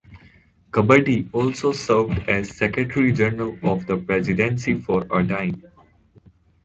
Kabadi also served as Secretary-General of the Presidency for a time.